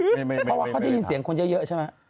เพราะเขาจะยินสิ่งคนเยอะใช่ไหม